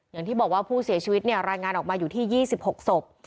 อย่างที่บอกว่าผู้เสียชีวิตรายงานออกมาอยู่ที่๒๖ศพ